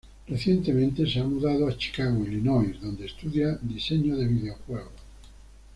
Recientemente se ha mudado a Chicago, Illinois, donde estudia diseño de videojuegos.